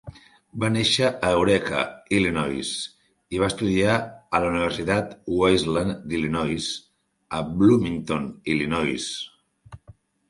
Va néixer a Eureka, Illinois, i va estudiar a la universitat Wesleyan d'Illinois, a Bloomington, Illinois.